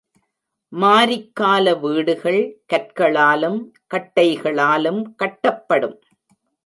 மாரிக்கால வீடுகள் கற்களாலும், கட்டைகளாலும் கட்டப்படும்.